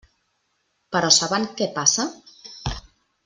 Però saben què passa?